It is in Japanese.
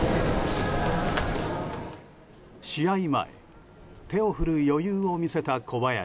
試合前手を振る余裕を見せた小林。